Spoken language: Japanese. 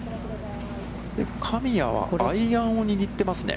神谷はアイアンを握ってますね。